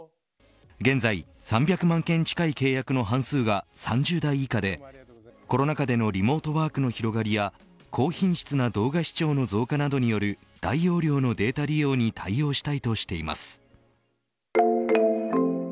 現在３００万件近い契約の半数が３０代以下でコロナ禍でのリモートワークの広がりや高品質な動画視聴の増加などによる大容量のデータ利用に対応したいとしています。